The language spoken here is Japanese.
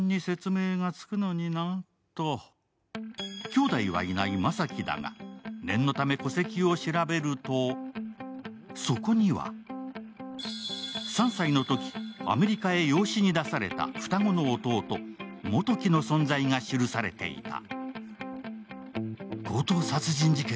兄弟はいない雅樹だが、念のため戸籍を調べると、そこには３歳のとき、アメリカへ養子に出された双子の弟、基樹の存在が記されていた。